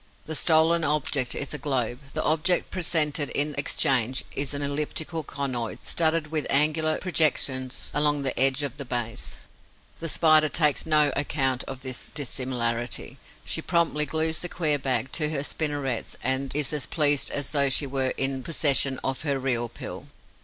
The stolen object is a globe; the object presented in exchange is an elliptical conoid studded with angular projections along the edge of the base. The Spider takes no account of this dissimilarity. She promptly glues the queer bag to her spinnerets and is as pleased as though she were in possession of her real pill.